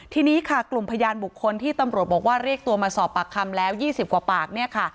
ทีนี้ค่ะกลุ่มพยานบุคคลที่ตำรวจบอกว่าเรียกตัวมาสอบปากคำแล้ว๒๐กว่าปากเนี่ยค่ะ